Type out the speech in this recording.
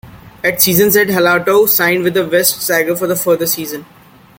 At season's end, Halatau signed with the Wests Tigers for a further season.